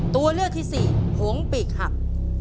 ตัวเลือกที่สี่ผงปีกหัก